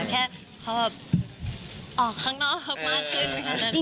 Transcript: แค่เขาแบบออกข้างนอกมากขึ้น